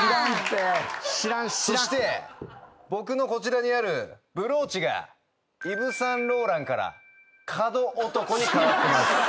そして僕のこちらにあるブローチがイヴ・サンローランから角男に変わってます。